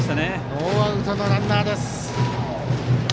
ノーアウトのランナーです。